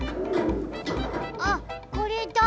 あっこれだ！